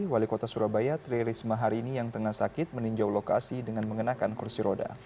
wali kota surabaya tri risma hari ini yang tengah sakit meninjau lokasi dengan mengenakan kursi roda